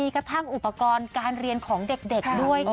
กระทั่งอุปกรณ์การเรียนของเด็กด้วย